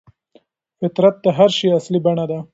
فطرت د هر شي اصلي بڼه ده.